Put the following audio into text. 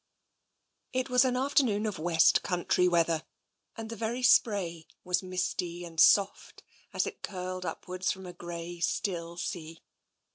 It was an afternoon of west country weather, and the very spray was misty and soft as it curled upwards from a grey, still sea.